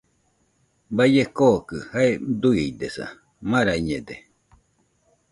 Baie kookɨ jae duidesa, marañede